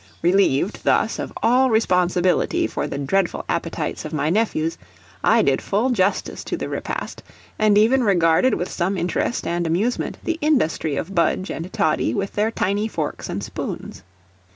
Relieved, thus, of all responsibility for the dreadful appetites of my nephews, I did full justice to the repast, and even regarded with some interest and amusement the industry of Budge and Toddie with their tiny forks and spoons.